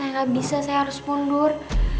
saya gak bisa saya harus pundur